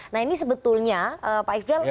nah ini sebetulnya pak ifdal